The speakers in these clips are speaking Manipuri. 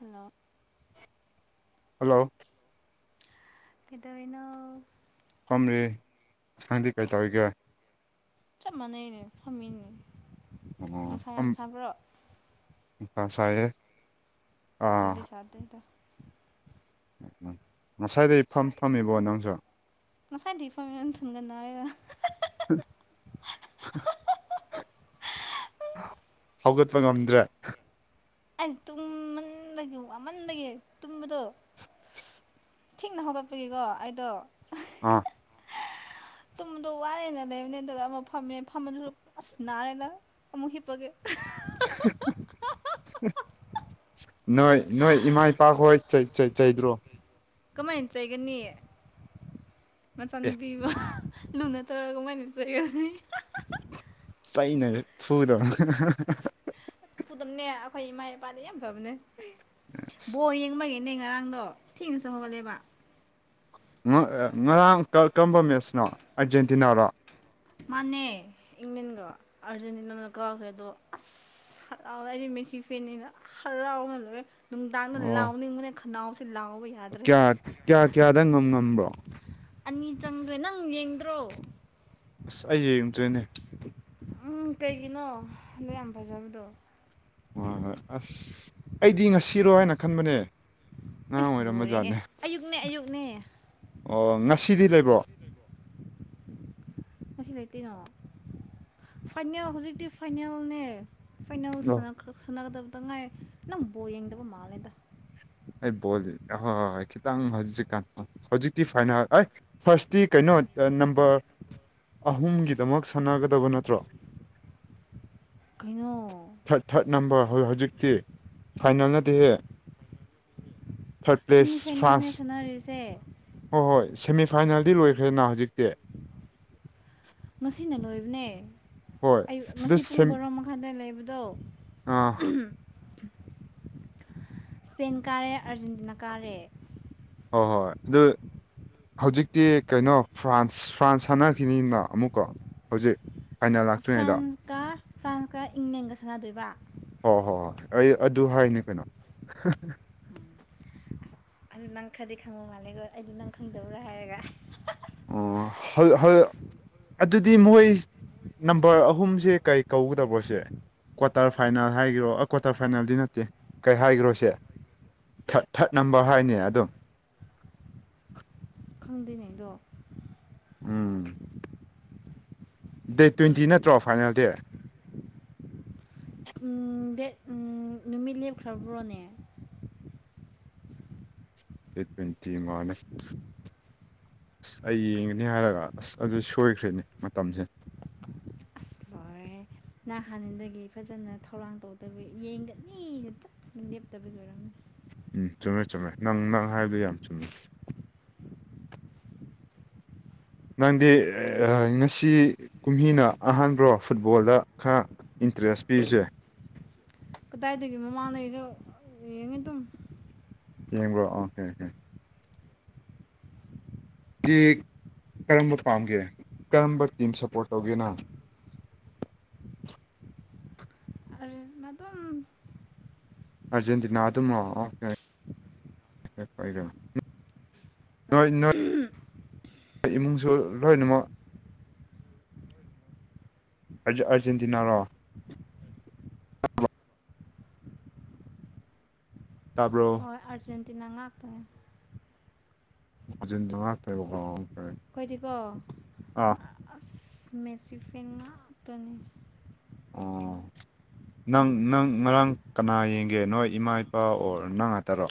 ꯍꯜꯂꯣ ꯍꯜꯂꯣ ꯀꯩꯗꯧꯔꯤꯅꫭ ꯐꯝꯔꯤ ꯅꯪꯗꯤ ꯀꯩꯗꯧꯔꯤꯒꯦ ꯆꯞ ꯃꯥꯟꯅꯩꯅꯦ ꯐꯝꯃꯤꯅꯤ ꯑꫭ [unintelligible] ꯅꯨꯡꯁꯥ ꯁꯥꯏꯍꯦ ꯁꯤꯗꯗꯤ ꯁꯥꯗꯦꯗ ꯉꯁꯥꯏꯗꯩ ꯐꯝ ꯐꯝꯃꯤꯕꯣ ꯅꯪꯁꯨ ꯉꯁꯥꯏꯗꯩ [unintelligible] ꯊꯨꯟꯒ ꯅꯥꯔꯦꯗ [unintelligible] ꯍꯧꯒꯠꯄ ꯉꯝꯗ꯭ꯔꯦ ꯑꯩ ꯇꯨꯝꯃꯟꯕꯒꯤ ꯋꯥꯃꯟꯕꯒꯤ ꯇꯨꯝꯕꯗꯣ [unintelligible] ꯊꯦꯡꯅ ꯍꯧꯒꯠꯄꯒꯤꯀꯣ ꯑꯩꯗꯣ ꯑꫭ ꯇꯨꯝꯕꯗꯣ ꯋꯥꯔꯦꯅ ꯂꯩꯕꯅꯦ ꯑꯗꯨꯒ ꯑꯃꯨꯛ ꯐꯝꯃꯦ ꯐꯝꯕꯗꯨꯁꯨ ꯑꯁ ꯅꯥꯔꯦꯗ ꯑꯃꯨꯛ ꯍꯤꯞꯄꯒꯦ [unintelligible] [unintelligible] ꯅꯣꯏ ꯅꯣꯏ ꯏꯃꯥ ꯏꯄꯥ ꯍꯣꯏ ꯆꯩ ꯆꯩ ꯆꯩꯗ꯭ꯔꯣ ꯀꯝꯃꯥꯏꯟ ꯆꯩꯒꯅꯤ ꯑꯦ ꯃꯆꯥꯅꯨꯄꯤꯕꫭ [unintelligible] ꯂꯨꯅ ꯇꯧꯔꯒ ꯃꯥꯏ [unintelligible] ꯆꯩꯩꯅꯒ ꯐꯨꯗ꯭ꯔꫭ [unintelligible] ꯐꯨꯗꯝꯅꯦ ꯑꯈꯣꯏ ꯏꯃꯥ ꯏꯄꯥꯗꯤ ꯌꯥꯝ ꯐꯕꯅꯦ ꯕꯣꯜ ꯌꯦꯡꯕꯒꯤꯅꯦ ꯉꯔꯥꯡꯗꯣ ꯊꯦꯡꯅꯁꯨ ꯍꯧꯒꯠꯂꯦꯕ ꯉ ꯉꯔꯥꯡ ꯀ ꯀꯝꯕ ꯃꯦꯠꯁꯅꯣ ꯑꯔꯖꯦꯟꯇꯤꯅꯥꯔꯣ ꯃꯥꯅꯦ ꯏꯪꯂꯦꯟꯒ ꯑꯔꯖꯦꯟꯇꯤꯅꯥꯅ ꯀꯥꯈ꯭ꯔꯦ ꯑꯗꯣ ꯑꯁ ꯍꯔꯥꯎꯋꯦ ꯑꯩꯗꯤ ꯃꯦꯁꯤ ꯐꯦꯟꯅꯤꯅ ꯍꯔꯥꯎꯕꯅ ꯂꫭꯏꯔꯦ ꯅꯨꯡꯗꯥꯡꯗ ꯂꯥꯎꯅꯤꯡꯕꯅꯦ ꯈꯟꯅꯥꯎꯁꯦ ꯂꯥꯎꯕ [unintelligible] ꯀ꯭ꯌꯥ ꯀ꯭ꯌꯥ ꯀ꯭ꯌꯥꯗ ꯉꯝ ꯉꯝꯕ꯭ꯔꯣ ꯑꯅꯤ ꯆꯪꯒ꯭ꯔꯦ ꯅꯪ ꯌꯦꯡꯗ꯭ꯔꯣ ꯑꯁ ꯑꯩ ꯌꯦꯡꯗ꯭ꯔꯦꯅꯦ ꯎꯝ ꯀꯩꯒꯤꯅꯣ ꯑꯗꯨ ꯌꯥꯝ ꯐꯖꯕꯗꯣ ꯍꯣꯏ ꯍꯣꯏ ꯑꯁ ꯑꯩꯗꯤ ꯉꯁꯤꯔꯣ ꯍꯥꯏꯅ ꯈꯟꯕꯅꯦ ꯉꯔꯥꯡ ꯏꯁ ꯑꯣꯏꯔꯝꯕ ꯂꯣꯏꯔꯦꯍꯦ ꯖꯥꯠꯅꯦ ꯑꯌꯨꯛꯅꯦ ꯑꯌꯨꯛꯅꯦ ꯑꯣ ꯉꯁꯤꯗꯤ ꯂꯩꯕ꯭ꯔꯣ ꯉꯁꯤ ꯂꯩꯇꯦꯅꯣ ꯐꯥꯏꯅꯦꯜ ꯍꯨꯖꯤꯛꯇꯤ ꯐꯥꯏꯅꯦꯜꯅꯦ ꯐꯥꯏꯅꯦꯜ ꯑꯣ ꯁꯥꯟꯅꯈ꯭ꯔ ꯁꯥꯟꯅꯒꯗꯕꯗ ꯇꯪ ꯉꯥꯏꯔꯦ ꯅꯪ ꯕꯣꯜ ꯌꯦꯡꯗꯕ ꯃꯥꯜꯂꯦꯗ ꯑꯩ ꯕꯣꯜꯖꯦ ꯑꯍꯣꯏ ꯍꯣꯏ ꯈꯤꯇꯪ ꯍꯧꯖꯤꯛꯀꯥꯟ ꯍꯨꯖꯤꯛꯇꯤ ꯐꯥꯏꯅꯥꯜ ꯑꯥꯏ ꯐꯥꯔꯁꯇꯤ ꯀꯩꯅꯣ ꯑ ꯅꯝꯕꯔ ꯑꯍꯨꯝꯒꯤꯗꯃꯛ ꯁꯥꯟꯅꯒꯗꯕ ꯅꯠꯇ꯭ꯔꯣ ꯀꯩꯅꯣ ꯊ꯭ꯔꯠ ꯊ꯭ꯔꯠ ꯅꯝꯕꯔ ꯍꯧ ꯍꯧꯖꯤꯛꯇꯤ ꯐꯥꯏꯅꯦꯜꯅꯠꯇꯤꯌꯦ ꯊ꯭ꯔꯠ ꯁꯤꯃꯤ ꯄ꯭ꯂꯦꯁ ꯐꯥꯏꯅꯦꯜꯅꯦ ꯁꯥꯟꯅꯔꯤꯁꯦ ꯐ꯭ꯔꯥꯟꯁ ꯍꯣ ꯍꯣꯏ ꯁꯦꯃꯤꯐꯥꯏꯅꯦꯜꯗꯤ ꯂꯣꯏꯈ꯭ꯔꯦꯅꯥ ꯍꯧꯖꯤꯛꯇꯤ ꯉꯁꯤꯅ ꯂꯣꯏꯕꯅꯦ ꯍꯣꯏ ꯑꯌꯨꯛ ꯑꯗꯨ ꯉꯁꯤ ꯄꯨꯡ ꯁꯦꯝ ꯕꯥꯔꯣ ꯃꯈꯥꯏꯗ ꯂꯩꯕꯗꯣ ꯑꯥ ꯁ꯭ꯄꯦꯟ ꯀꯥꯔꯦ ꯑꯥꯔꯖꯦꯟꯇꯤꯅꯥ ꯀꯥꯔꯦ ꯍꯣ ꯍꯣꯏ ꯑꯗꯨ ꯍꯧꯖꯤꯛꯇꯤ ꯀꯩꯅꯣ ꯐ꯭ꯔꯥꯟꯁ ꯐ꯭ꯔꯥꯟꯁ ꯁꯥꯟꯅꯈꯤꯅꯤꯅ ꯑꯃꯨꯛꯀꯣ ꯍꯧꯖꯤꯛ ꯐꯥꯏꯅꯦꯜ ꯂꯥꯛꯇ꯭ꯔꯤꯉꯩꯗ ꯐ꯭ꯔꯥꯟꯁꯀ ꯐ꯭ꯔꯥꯟꯁꯀ ꯏꯪꯂꯦꯟꯒ ꯁꯥꯟꯅꯗꯣꯏꯕ ꯍꯣ ꯍꯣ ꯍꯣꯏ ꯑꯩ ꯑꯗꯨ ꯍꯥꯏꯅꯤ ꯀꯩꯅꯣ ꯑꯗꯨ ꯅꯪ ꯈꯔꯗꯤ ꯈꯪꯕ ꯃꯥꯜꯂꯦꯀꯣ ꯑꯩꯗꯤ ꯅꯪ ꯈꯪꯗꯕ꯭ꯔꯥ ꯍꯥꯏꯔꯒ ꯑꯣ ꯍ ꯍ ꯑꯗꯨꯗꯤ ꯃꯣꯏ ꯅꯝꯕꯔ ꯑꯍꯨꯝꯁꯦ ꯀꯩ ꯀꯧꯒꯗꯕ꯭ꯔꯣꯁꯦ ꯀ꯭ꯋꯥꯇꯔ ꯐꯥꯏꯅꯦꯜ ꯍꯥꯏꯒꯦꯔꯣ ꯑꯥ ꯀ꯭ꯋꯥꯇꯔ ꯐꯥꯏꯅꯦꯜꯗꯤ ꯅꯠꯇꯦ ꯀꯩ ꯍꯥꯏꯒꯦꯔꯣꯁꯦ ꯊ꯭ꯔꯠ ꯊ꯭ꯔꯠ ꯅꯝꯕꯔ ꯍꯥꯏꯅꯦ ꯑꯗꯨꯝ ꯈꯪꯗꯦꯅꯦꯗꯣ ꯎꯝ ꯗꯦꯠ ꯇ꯭ꯋꯦꯟꯇꯤ ꯅꯠꯇ꯭ꯔꯣ ꯐꯥꯏꯅꯦꯜ ꯗꯤ ꯎꯝ ꯗꯦꯠ ꯎꯝ ꯅꯨꯃꯤꯠ ꯂꯦꯞꯈ꯭ꯔꯕ꯭ꯔꯣꯅꯦ ꯗꯦꯠ ꯇ꯭ꯋꯦꯟꯇꯤ ꯃꯥꯅꯤ ꯑꯁ ꯑꯩ ꯌꯦꯡꯒꯅꯤ ꯍꯥꯏꯔꯒ ꯑꯁ ꯑꯗꯨ ꯁꯣꯏꯈ꯭ꯔꯦꯅꯦ ꯃꯇꯝꯁꯦ ꯑꯁ ꯂꯣꯏꯔꯦꯍꯦ ꯅꯪ ꯍꯥꯟꯅꯗꯒꯤ ꯐꯖꯅ ꯊꯧꯔꯥꯡ ꯇꯧꯗꯕꯩ ꯌꯦꯡꯒꯅꯤꯅ ꯆꯞ ꯂꯦꯞꯇꯕꯩ ꯑꯣꯏꯔꯝꯒꯅꯤ ꯎꯝ ꯆꯨꯝꯃꯦ ꯆꯨꯝꯃꯦ ꯅꯪ ꯅꯪꯅ ꯍꯥꯏꯗꯣ ꯌꯥꯝ ꯆꯨꯝꯃꯦ ꯅꯪꯗꯤ ꯉꯁꯤ ꯀꯨꯝꯍꯤꯅ ꯑꯍꯥꯟꯕ꯭ꯔꯣ ꯐꯨꯠꯕꯣꯜꯗ ꯈꯔ ꯏꯟꯇꯔꯦꯁ ꯄꯤꯕꯁꯦ ꯀꯗꯥꯏꯗꯒꯤ ꯃꯃꯥꯡꯉꯩꯁꯨ ꯌꯦꯡꯉꯤ ꯑꯗꯨꯝ ꯌꯦꯡꯕ꯭ꯔꯣ ꯑꯣꯀꯦ ꯀꯦ ꯀꯤꯛ ꯀꯔꯝꯕ ꯄꯥꯝꯒꯦ ꯀꯔꯝꯕ ꯇꯤꯝ ꯁꯞꯄꯣꯔꯠ ꯇꯧꯒꯦ ꯅꯪ ꯑꯔꯖꯦꯟ ꯑꯗꯨꯝ ꯑꯥꯔꯖꯦꯟꯇꯤꯅꯥ ꯑꯗꯨꯝꯔꯣ ꯑꯣꯀꯦ [unintelligible] ꯑꯍꯝ ꯑꯩ ꯏꯃꯨꯡꯁꯨ ꯂꯣꯏꯅꯃꯛ ꯑꯔꯖꯦꯟ ꯑꯔꯖꯦꯟꯇꯤꯅꯥꯔꯣ ꯇꯥꯕ꯭ꯔꯣ ꯍꯣꯏ ꯑꯔꯖꯦꯟꯇꯤꯅꯥ ꯉꯥꯛꯇꯅꯤ ꯑꯔꯖꯦꯟꯇꯤꯅꯥ ꯉꯥꯛꯇ [unintelligible] ꯑꯩꯈꯣꯏꯗꯤꯀꯣ ꯑꯥꯁ ꯃꯦꯁꯤ ꯐꯦꯟ ꯉꯥꯛꯇꯅꯤ ꯑꯣ [inaudible] ꯅꯪ ꯅꯪ ꯉꯔꯥꯡ ꯀꯅꯥ ꯌꯦꯡꯒꯦ ꯅꯣꯏ ꯏꯃꯥ ꯏꯄꯥ ꯑꯣꯔ ꯅꯪ ꯉꯥꯛꯇꯔꯣ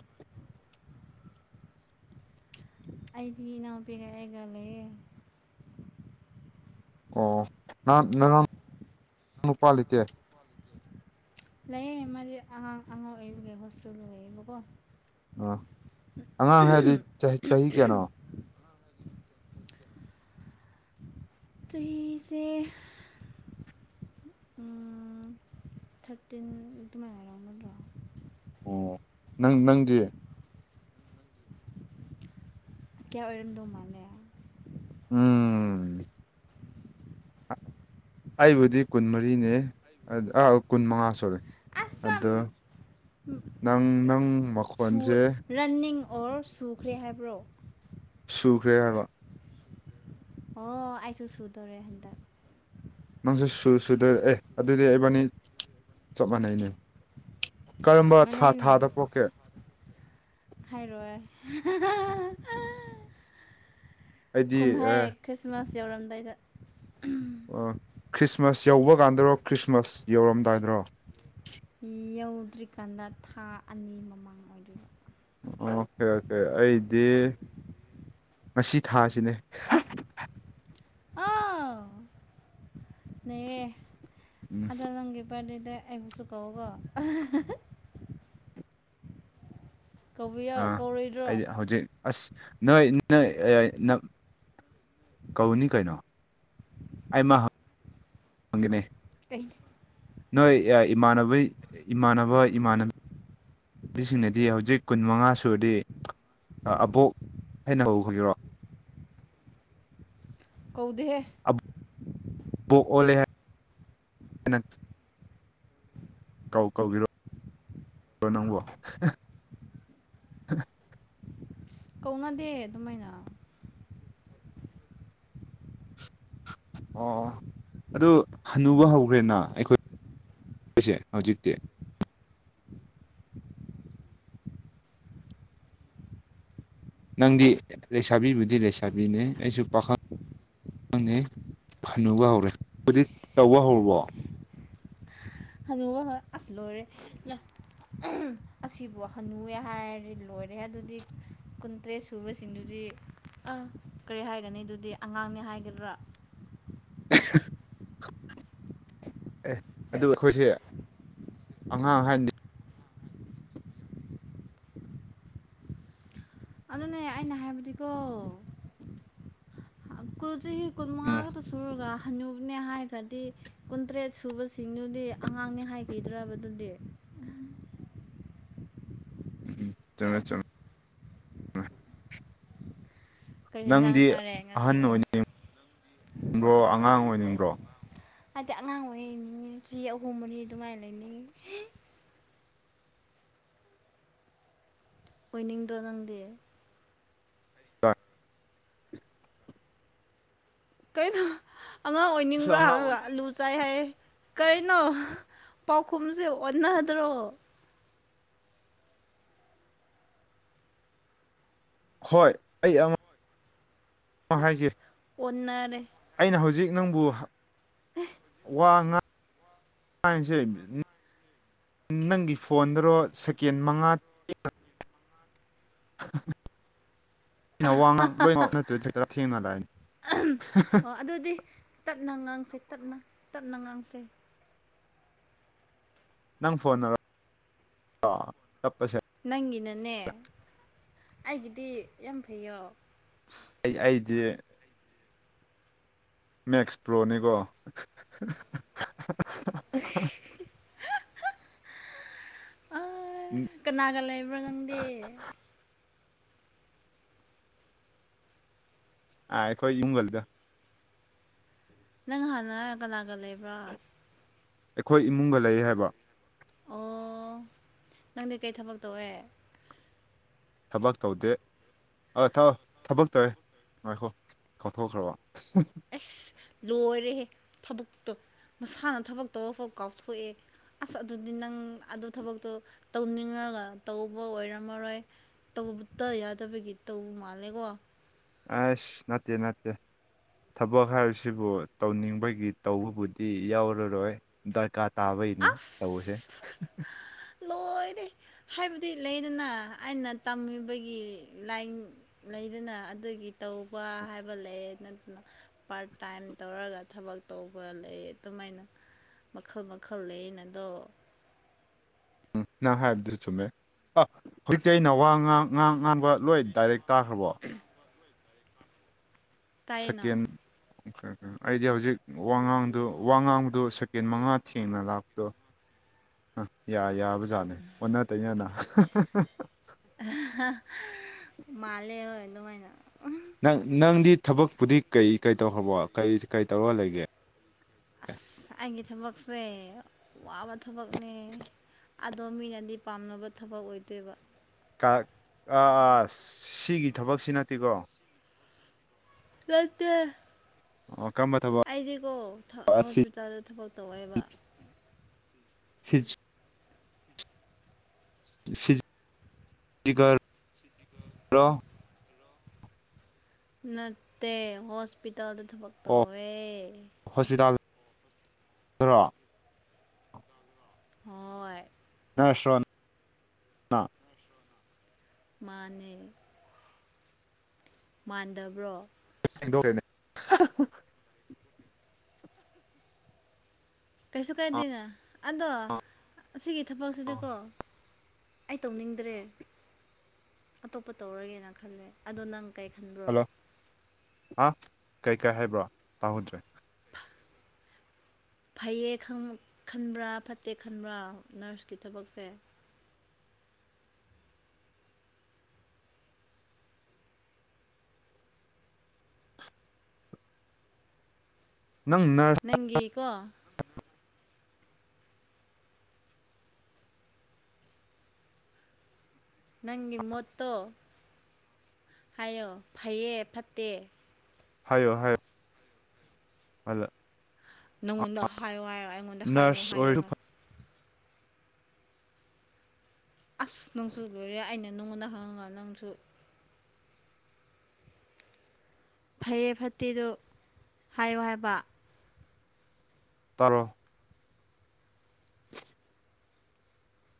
ꯑꯩꯗꯤ ꯏꯅꯥꯎꯄꯤꯒ ꯑꯩꯒ ꯂꯩꯌꯦ ꯑꯣ ꯅꯪ ꯅꯥꯅꯥꯎ ꯅꯨꯄꯥ ꯂꯩꯇꯦ ꯂꯩꯌꯦ ꯃꯥꯗꯤ ꯑꯉꯥꯡ ꯑꯉꯥꯡ ꯑꯣꯏꯕꯒꯤ ꯍꯣꯁꯇꯦꯜꯗ ꯂꯩꯌꯦꯕꯀꯣ ꯑꯥ ꯑꯉꯥꯡ ꯍꯥꯏꯔꯗꯤ ꯆꯍꯤ ꯆꯍꯤ ꯀꯌꯥꯅꯣ ꯍꯤꯁꯦ ꯎꯨꯝ ꯊꯥꯔꯇꯤꯟ ꯑꯗꯨꯃꯥꯏꯅ ꯑꯣꯢꯔꯝꯒꯗ꯭ꯔꯣ ꯑꯣ ꯅꯪ ꯅꯪꯒꯤ ꯀꯌꯥ ꯑꯣꯏꯔꯝꯗꯣ ꯃꯥꯜꯂꯦ ꯎꯝ ꯑꯩꯕꯨꯗꯤ ꯀꯨꯟꯃꯔꯤꯅꯦ ꯑꯥ ꯀꯨꯟꯃꯉꯥ ꯁꯨꯔꯦ ꯑꯁꯝ ꯑꯗꯣ ꯅꯪ ꯅꯪ ꯃꯈꯣꯟꯁꯦ ꯔꯟꯅꯤꯡ ꯑꯣꯔ ꯁꯨꯈ꯭ꯔꯦ ꯍꯥꯏꯕ꯭ꯔꯣ ꯁꯨꯈ꯭ꯔꯦ ꯍꯥꯏꯕ ꯑꯣ ꯑꯩꯥꯏꯁꯨ ꯁꯨꯗꯣꯔꯦ ꯍꯟꯗꯛ ꯅꯪꯁꯨ ꯁꯨ ꯁꯨꯗꯔꯦ ꯑꯦ ꯑꯗꯨꯗꯤ ꯑꯩꯕꯥꯅꯤ ꯆꯞ ꯃꯥꯟꯅꯩꯅꯦ ꯀꯔꯝꯕ ꯊꯥ ꯃꯥꯟꯅꯩꯅꯦ ꯊꯥꯗ ꯄꯣꯛꯀꯦ ꯍꯥꯏꯔꯣꯏ ꯍꯥ ꯍꯥ ꯍꯥ ꯍꯥ ꯑꯩꯗꯤ ꯀꯨꯝꯍꯩ ꯑꯦ ꯈ꯭ꯔꯤꯁꯃꯥꯁ ꯌꯧꯔꯝꯗꯥꯏꯗ ꯑꯥ ꯈ꯭ꯔꯤꯁꯃꯥꯁ ꯌꯧꯕ ꯀꯥꯟꯗꯔꯣ ꯈ꯭ꯔꯤꯁꯃꯥꯁ ꯌꯧꯔꯝꯗꯥꯏꯗ꯭ꯔꯣ ꯌꯧꯗ꯭ꯔꯤꯀꯥꯟꯗ ꯊꯥ ꯑꯅꯤ ꯃꯃꯥꯡ ꯑꯣꯏꯗꯣꯏꯕ ꯑꯣꯀꯦ ꯑꯣꯀꯦ ꯑꯩꯗꯤ ꯉꯁꯤ ꯊꯥꯁꯤꯅꯦ ꯑꯥꯎ ꯅꯩꯔꯦ ꯎꯝ ꯑꯗꯣ ꯅꯪꯒꯤ ꯕꯔꯗꯦꯗ ꯑꯩꯕꯨꯁꯨ ꯀꯧꯀꯣ ꯑꯍꯥ ꯍꯥ ꯍꯥ ꯀꯧꯕꯤꯌꯣ ꯑꯥ ꯀꯧꯔꯣꯏꯗ꯭ꯔꯣ ꯑꯩꯗꯤ ꯍꯧꯖꯤꯛ ꯑꯁ ꯅꯣꯏ ꯅꯣꯏ ꯑꯥ ꯅꯝ ꯀꯧꯅꯤ ꯀꯩꯅꯣ ꯑꯩꯃ ꯍꯪꯒꯅꯦ ꯇ [unintelligible] ꯅꯣꯏ ꯑꯥ ꯏꯃꯥꯟꯅꯕꯩ ꯏꯃꯥꯟꯅꯕ ꯏꯃꯥꯟꯅ ꯕꯤ ꯁꯤꯡꯅꯗꯤ ꯍꯧꯖꯤꯛ ꯀꯨꯟꯃꯉꯥ ꯁꯨꯔꯗꯤ ꯑꯥ ꯑꯕꯣꯛ ꯍꯥꯏꯅ ꯍꯧꯒꯤꯔꯣ ꯀꯧꯗꯦꯍꯦ ꯑ ꯕꯣꯛ ꯑꯣꯜꯂꯦ ꯍꯥꯏ ꯀꯥꯎ ꯀꯥꯎꯕꯤꯔꯣ ꯔꯣ ꯅꯪꯕꯣ ꯀꯧꯅꯗꯦ ꯑꯗꯨꯃꯥꯏꯅ ꯑꯣ ꯑꯗꯨ ꯍꯅꯨꯕ ꯍꯧꯈ꯭ꯔꯦꯅ ꯑꯩꯈꯣꯏ ꯑꯩꯁꯦ ꯍꯧꯖꯤꯛꯇꯤ ꯅꯪꯗꯤ ꯂꯩꯁꯥꯕꯤꯕꯨꯗꯤ ꯂꯩꯁꯥꯕꯤꯅꯦ ꯑꯩꯁꯨ ꯄꯥꯈꯪ ꯈꯪꯉꯦ ꯐꯅꯨꯕ ꯍꯧꯔꯦ ꯍꯥꯏꯗꯤ ꯇꯧꯕ ꯍꯧꯔꯕꯣ ꯍꯅꯨꯕ ꯍꫭꯏ ꯑꯁ ꯂꯣꯏꯔꯦ꯫ ꯑꯁꯤꯕꯨ ꯍꯟꯅꯨꯋꯦ ꯍꯥꯏꯔꯗꯤ ꯂꯣꯏꯔꯦ ꯑꯗꯨꯗꯤ꯫ ꯀꯨꯟꯇ꯭ꯔꯦꯠ ꯁꯨꯕꯁꯤꯡꯗꯨꯗꯤ ꯑ ꯀꯔꯤ ꯍꯥꯏꯒꯅꯤ ꯑꯗꯨꯗꯤ ꯑꯉꯥꯡꯅꯤ ꯍꯥꯏꯒꯗ꯭ꯔꯥ꯫ [unintelligible] ꯑꯦ ꯑꯗꯨ ꯑꯩꯈꯣꯏꯁꯦ ꯑꯉꯥꯡ ꯍꯥꯏꯗꯤ ꯑꯗꯨꯅꯦ ꯑꯩꯅ ꯍꯥꯏꯕꯗꯤꯀꯣ ꯀꯨꯜꯁꯤ ꯀꯨꯟ ꯃꯉꯥ ꯎꯝ ꯈꯛꯇ ꯁꯨꯔꯒ ꯍꯅꯨꯕꯅꯦ ꯍꯥꯏꯈ꯭ꯔꯗꯤ ꯀꯨꯟꯇ꯭ꯔꯦꯠ ꯁꯨꯕꯁꯤꯡꯗꯨꯗꯤ ꯑꯉꯥꯡꯅꯤ ꯍꯥꯏꯈꯤꯗ꯭ꯔꯕ ꯗꯨꯗꯤ꯫ ꯎꯝ ꯆꯨꯝꯑꯦ ꯆꯨꯝ ꯀꯩ ꯌꯦꯟꯖꯥꯡ ꯅꯪꯗꯤ ꯆꯥꯔꯦ ꯑꯍꯟ ꯉꯁꯤꯒꯤ ꯑꯣꯏꯅꯤꯡꯅꯤꯡꯕ꯭ꯔꯣ ꯑꯉꯥꯡ ꯑꯣꯏꯅꯤꯡꯕ꯭ꯔꯣ꯫ ꯍꯥꯏꯗꯤ ꯑꯉꯥꯡ ꯑꯣꯏꯅꯤꯡꯉꯦ ꯆꯍꯤ ꯑꯍꯨꯝ ꯃꯔꯤ ꯑꯗꯨꯃꯥꯏꯅ ꯂꯩꯅꯤꯡꯉꯦ꯫ [unintelligible] ꯑꯣꯏꯅꯤꯡꯗ꯭ꯔꯣ ꯅꯪꯗꯤ꯫ [unintelligible] ꯀꯩꯅꯣ ꯑꯉꯥꯡ ꯑꯩꯁꯨ ꯑꯣꯏꯅꯤꯡꯕ꯭ꯔꯥ ꯑꯉꯥꯡ ꯍꯪꯡꯉꯒ ꯑꯣꯏꯅꯤꯡ ꯑꯂꯨ ꯆ ꯆꯥꯏ ꯍꯥꯏ ꯀꯩꯅꯣ ꯄꯥꯎꯈꯨꯝꯖꯦ ꯑꯣꯟꯅꯗ꯭ꯔꯣ꯫ ꯍꯣꯏ ꯑꯩ ꯑ ꯃ ꯍꯥꯏꯒꯦ꯫ ꯑꯁ ꯑꯣꯟꯅꯔꯦ꯫ ꯑꯩꯅ ꯍꯧꯖꯤꯛ ꯅꯪꯕꯨ ꯋꯥ ꯉꯥꯡ ꯉꯁꯦ ꯅꯪꯒꯤ ꯐꯣꯟꯗꯔꯣ ꯁꯦꯀꯦꯟ ꯃꯉꯥ [inaudible] ꯑꯣ ꯑꯗꯨꯗꯤ ꯇꯞꯅ ꯉꯥꯡꯁꯦ ꯇꯞꯅ ꯇꯞꯅ ꯉꯥꯡꯁꯦ꯫ ꯅꯪ ꯐꯣꯟ ꯅꯔꯣ ꯆꯠꯄꯁꯦ꯫ ꯅꯪꯒꯤꯅꯅꯦ ꯑꯩꯒꯤꯗꯤ ꯌꯥꯝ ꯐꯩꯌꯣ꯫ ꯑꯩ ꯑꯩꯗꯤ ꯃꯦꯛꯁ ꯄ꯭ꯔꯣꯅꯤꯀꯣ [unintelligible] [unintelligible] ꯑ ꯀꯅꯥꯒ ꯂꯩꯕ꯭ꯔꯥ ꯅꯪꯗꯤ꯫ ꯑꯥ ꯑꯩꯈꯣꯏ ꯌꯨꯝꯨꯡꯒꯜꯗ ꯅꯪ ꯍꯥꯟꯅ ꯀꯅꯥꯒ ꯂꯩꯕ꯭ꯔꯥ꯫ ꯑꯩꯈꯣꯏ ꯏꯃꯨꯡꯒ ꯂꯩꯌꯦ ꯍꯥꯏꯕ꯫ ꯑꯣ ꯅꯪꯗꯤ ꯀꯩ ꯊꯕꯛ ꯇꯧꯋꯦ꯫ ꯊꯕꯛ ꯇꯧꯗꯦ꯫ ꯑ ꯊꯥ ꯊꯕꯛ ꯇꯧꯋꯦ ꯉꯥꯏꯈꯣ ꯀꯥꯎꯊꯣꯛꯈ꯭ꯔꯕ꯫ [unintelligible] ꯑꯁ ꯂꯣꯏꯔꯦꯍꯦ ꯊꯕꯛꯇꯣ ꯃꯁꯥꯅ ꯊꯕꯛ ꯇꯧꯕ ꯐꯥꯎ ꯀꯥꯎꯊꯣꯛꯑꯦ꯫ ꯑꯁ ꯑꯗꯨꯗꯤ ꯅꯪ ꯑꯗꯨ ꯊꯕꯛꯇꯣ ꯇꯧꯅꯤꯡꯉꯒ ꯇꯧꯕ ꯑꯣꯏꯔꯝꯃꯔꯣꯏ꯫ ꯇꯧꯕꯇ ꯌꯥꯗꯕꯒꯤ ꯇꯧꯕ ꯃꯥꯜꯂꯦꯀꯣ꯫ ꯑꯥꯁ ꯅꯠꯇꯦ-ꯅꯠꯇꯦ꯫ ꯊꯕꯛ ꯍꯥꯏꯕꯁꯤꯕꯨ ꯇꯧꯅꯤꯡꯕꯒꯤ ꯇꯧꯕꯕꯨꯗꯤ ꯌꯥꯎꯔꯔꯣꯏ ꯗꯔꯀꯥꯔ ꯇꯥꯕꯩꯅꯤ ꯑꯁ ꯇꯧꯕꯁꯦ꯫ ꯂꯣꯏꯔꯦ ꯍꯥꯏꯕꯗꯤ ꯂꯩꯗꯅ ꯑꯩꯅ ꯇꯝꯃꯤꯕꯒꯤ ꯂꯥꯏꯟ ꯂꯩꯗꯅ ꯑꯗꯨꯒꯤ ꯇꯧꯕ ꯍꯥꯏꯕ ꯂꯩ ꯅꯠꯇꯅ ꯄꯥꯔꯠ ꯇꯥꯏꯝ ꯇꯧꯔꯒ ꯊꯕꯛ ꯇꯧꯕ ꯂꯩ ꯑꯗꯨꯃꯥꯏꯅ ꯃꯈꯜ ꯃꯈꯜ ꯂꯩꯩꯌꯦꯅ ꯑꯗꯣ꯫ ꯅꯪ ꯍꯥꯏꯕꯗꯨ ꯆꯨꯝꯃꯦ ꯑ ꯍꯧꯖꯤꯛꯇꯤ ꯑꯩꯅ ꯋꯥ ꯉꯥꯡ ꯉꯥꯡ ꯉꯥꯡꯕ ꯂꯣꯏ ꯗꯥꯏꯔꯦꯛ ꯇꯥꯈ꯭ꯔꯕꯣ꯫ ꯇꯥꯏꯅ ꯁꯀꯦꯟ ꯈꯔ ꯈꯔ ꯑꯩꯗꯤ ꯍꯧꯖꯤꯛ ꯋꯥꯉꯥꯡꯗꯨ ꯋꯥꯉꯥꯡꯗꯨ ꯁꯦꯀꯦꯟ ꯃꯉꯥ ꯊꯦꯡꯅ ꯂꯥꯛꯄꯗꯨ ꯑ ꯌꯥ ꯌꯥꯕ ꯖꯥꯠꯅꯤ ꯑꯣꯟꯅ ꯇꯩꯅꯅ ꯃꯥꯂꯦ ꯍꯣꯏ ꯑꯗꯨꯃꯥꯏꯅ ꯅꯪ ꯅꯪꯗꯤ ꯊꯕꯛꯄꯨꯗꯤ ꯀꯩ ꯀꯩ ꯇꯧꯈ꯭ꯔꯕꯣ ꯀꯩ ꯀꯩ ꯇꯧꯔꯒ ꯂꯩꯒꯦ ꯑꯁ ꯑꯩꯒꯤ ꯊꯕꯛꯁꯦ ꯋꯥꯕ ꯊꯕꯛꯅꯦ ꯑꯗꯣ ꯃꯤꯅꯗꯤ ꯄꯥꯝꯅꯕ ꯊꯕꯛ ꯑꯣꯏꯗꯦꯕ ꯥꯥ ꯀꯥꯔ ꯑꯥꯁ ꯁꯤꯒꯤ ꯊꯕꯛꯁꯤ ꯅꯠꯇꯦꯀꯣ ꯅꯠꯇꯦ ꯑꯣ ꯀꯔꯝꯕ ꯊꯕꯛ ꯑꯥꯏꯗꯤꯀꯣ ꯊ ꯍꯣꯁꯄꯤꯜ ꯗꯥꯜꯗ ꯊꯕꯛ ꯇꯧꯋꯦꯕ ꯐꯤꯖ [unintelligible] ꯐꯤꯖꯤꯒꯔ ꯔꯣ [unintelligible] ꯅꯠꯇꯦ ꯍꯣꯁꯄꯤꯇꯥꯜꯗ ꯊꯕꯛ ꯑꯣ ꯇꯧꯋꯦ ꯍꯣꯁꯄꯤꯇꯥꯜ ꯗꯔꯣ ꯍꯣꯏ ꯅꯥꯔꯁꯔꯣ ꯃꯥꯅꯦ ꯃꯥꯟꯗꯕ꯭ꯔꯣ [unintelligible] ꯊꯤꯟꯗꯣꯛꯈ꯭ꯔꯦꯅꯦ ꯀꯩꯁꯨ ꯑꯥ ꯀꯥꯏꯗꯦꯅ ꯑꯗꯣ ꯑꯁꯤꯒꯤ ꯊꯕꯛꯁꯤꯗꯤꯀꯣ ꯑꯩ ꯇꯧꯅꯤꯡꯗ꯭ꯔꯦ ꯑꯇꯣꯞꯄ ꯇꯧꯔꯒꯦꯅ ꯈꯜꯂꯦ ꯑꯗꯣ ꯅꯪ ꯀꯩ ꯈꯟꯕ꯭ꯔꯣ ꯍꯜꯂꯣ ꯍꯥ ꯀꯩꯀꯩ ꯍꯥꯏꯕ꯭ꯔꯣ ꯇꯥꯍꯧꯗ꯭ꯔꯦ [inaudible] ꯐꯩꯌꯦ ꯈꯟꯕ꯭ꯔꯥ ꯐꯠꯇꯦ ꯈꯟꯕ꯭ꯔꯥ ꯅꯥꯔꯁꯀꯤ ꯊꯕꯛꯁꯦ ꯅꯪ ꯅꯥꯔꯁ ꯅꯪꯒꯤꯀꯣ ꯅꯪꯒꯤ ꯃꯣꯠꯇꯣ ꯍꯥꯏꯌꯣ ꯐꯩꯌꯦ ꯐꯠꯇꯦ ꯍꯥꯏꯌꯣ ꯍꯥꯏꯌꯣ ꯍꯜꯂꯣ ꯑꯥ ꯅꯪꯉꯣꯟꯗ ꯍꯥꯏꯌꯣ ꯍꯥꯏꯔ ꯑꯩꯉꯣꯟꯗ ꯍꯥꯏꯌꯣ ꯅꯔꯁ ꯍꯥꯏꯌꯣ ꯑꯣꯏꯔꯁꯨ ꯍꯥꯏ ꯑꯁ ꯅꯪꯁꯨ ꯂꯣꯏꯔꯦ ꯑꯩꯅ ꯅꯉꯣꯟꯗ ꯍꯪꯉꯒ ꯅꯪꯁꯨ ꯐꯩꯌꯦ ꯐꯠꯇꯦꯗꯣ ꯍꯥꯏꯌꯣ ꯍꯥꯏꯕ ꯇꯥꯔꯣ [inaudible]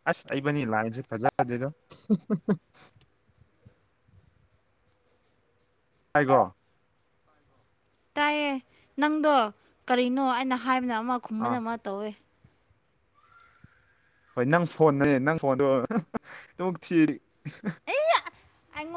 ꯑꯁ ꯢꯕꯥꯅꯤ ꯂꯥꯏꯟꯁꯦ ꯐꯖꯗꯦꯗ ꯇꯥꯢꯒꯣ ꯇꯥꯏꯌꯦ ꯅꯪꯗꯣ ꯀꯔꯤꯅꯣ ꯑꯩꯅ ꯍꯥꯏꯕꯅ ꯑꯃ ꯈꯨꯝꯕꯅ ꯑꯥ ꯑꯃ ꯇꯧꯋꯦ ꯍꯣꯏ ꯅꯪ ꯐꯣꯟꯅꯦ ꯅꯪ ꯐꯣꯟꯗꯣ [unintelligible] [unintelligible] ꯑꯩꯉꯣꯟ